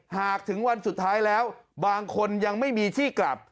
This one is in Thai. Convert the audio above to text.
หากถึงวันสุดท้ายแล้วบางคนยังไม่มีที่กลับ